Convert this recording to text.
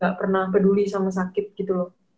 gak pernah peduli sama sakit gitu loh